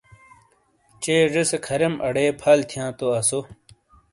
چے زے سے کھریم اڑے پھل تھیاں تو آسو